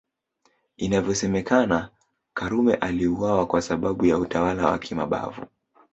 Inavyosemekana Karume aliuawa kwa sababu ya utawala wa kimabavu